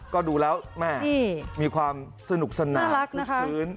ก็ดูแล้วมีความสนุกสนามคืน